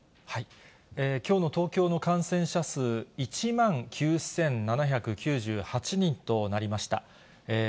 きょうの東京の感染者数、１万９７９８人となりました。